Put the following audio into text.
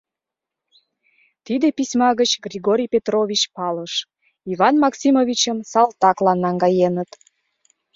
Тиде письма гыч Григорий Петрович палыш: Иван Максимовичым салтаклан наҥгаеныт.